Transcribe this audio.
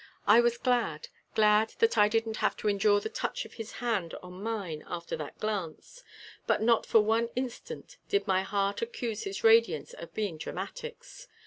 I was glad, glad that I didn't have to endure the touch of his hand on mine after that glance, but not for one instant did my heart accuse his radiance of being dramatics.